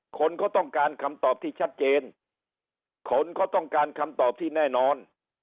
คนก็ต้องการคำตอบที่ชัดเจนคนก็ต้องการคำตอบที่แน่นอน